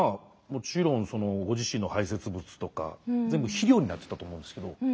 もちろんご自身の排泄物とか全部肥料になってたと思うんですけど。